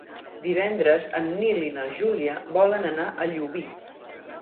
Divendres en Nil i na Júlia volen anar a Llubí.